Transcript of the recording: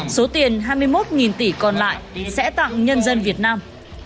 số tiền hai mươi một tỷ còn lại sẽ tặng nhân dân việt nam